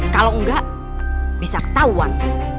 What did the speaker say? kalau nggak bisa ketauan